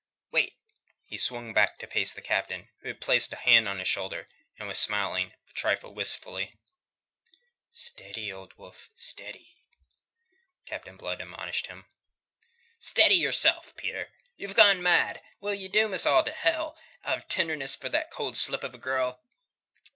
"Wait!" He swung back to face the Captain, who had placed a hand on is shoulder and was smiling, a trifle wistfully. "Steady, Old Wolf! Steady!" Captain Blood admonished him. "Steady, yourself, Peter. Ye've gone mad! Will ye doom us all to hell out of tenderness for that cold slip of a girl?"